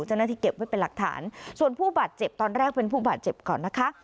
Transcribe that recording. เจ้าหน้าที่เก็บไว้เป็นหลักฐานส่วนผู้บาดเจ็บตอนแรกเป็นผู้บาดเจ็บก่อนนะคะ